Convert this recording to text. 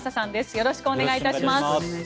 よろしくお願いします。